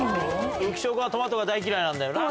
浮所君はトマトが大嫌いなんだよな。